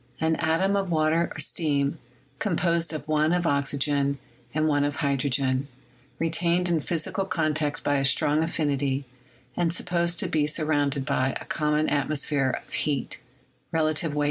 An atom of water or steam, composed of 1 of oxy gen and 1 of hydrogen, retained in physical con tact by a strong affinity, and supposed to be sur rounded by a common atmosphere of heat 8 22.